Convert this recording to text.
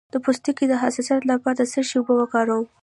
د پوستکي د حساسیت لپاره د څه شي اوبه وکاروم؟